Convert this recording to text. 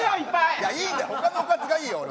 いやいいんだよほかのおかずがいいよ俺は。